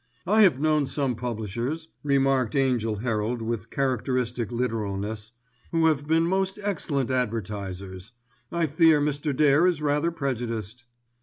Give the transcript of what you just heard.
"I have known some publishers," remarked Angell Herald with characteristic literalness, "who have been most excellent advertisers. I fear Mr. Dare is rather prejudiced."